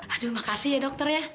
aduh makasih ya dokter ya